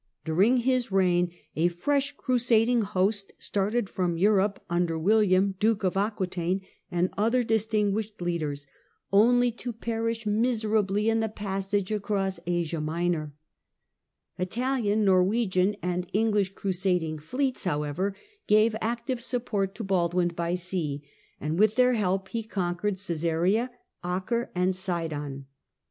During his reign a fresh The Aqui crusading host started from Europe under William, Duke cm^^e, of Aquitaine, and other distinguished leaders, only to 1101 1102 148 THE CENTRAL PEEIOD OF THE MIDDLE AGE perish miserably in the passage across Asia Minor. Italian, Norwegian and English crusading fleets, how ever, gave active support to Baldwin by sea, and with their help he conquered Csesarea, Acre and Sidon.